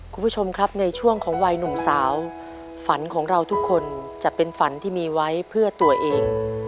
คุณผู้ชมครับในช่วงของวัยหนุ่มสาวฝันของเราทุกคนจะเป็นฝันที่มีไว้เพื่อตัวเอง